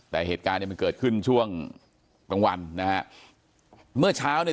แต่เหตุการณ์เนี่ยมันเกิดขึ้นช่วงกลางวันนะฮะเมื่อเช้าเนี่ย